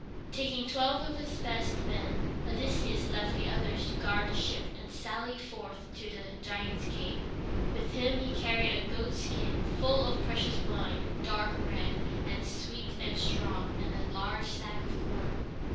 Taking twelve of his best men with him, Odysseus left the others to guard the ship and sallied forth to the giant's cave. With him he carried a goat skin full of precious wine, dark red, and sweet and strong, and a large sack of corn.